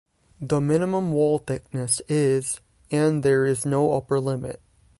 The minimum wall thickness is and there is no upper limit.